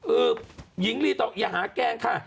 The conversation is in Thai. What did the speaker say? เออหญิงลีฟตอนไข้อย่าหาแกงค่ะ